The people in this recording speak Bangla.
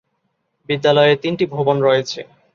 বিদ্যালয়ে তিনটি ভবন রয়েছে।